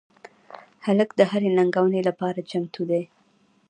هلک د هرې ننګونې لپاره چمتو دی.